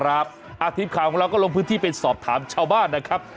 ทีมข่าวของเราก็ลงพื้นที่ไปสอบถามชาวบ้านนะครับ